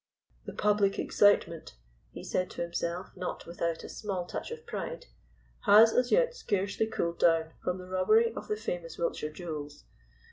"The public excitement," he said to himself, not without a small touch of pride, "has as yet scarcely cooled down from the robbery of the famous Wiltshire jewels.